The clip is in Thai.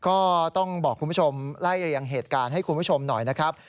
ก็ต้องบอกคุณผู้ชมไล่เรียงเหตุการณ์ให้คุณผู้ชมหน่อยนะครับ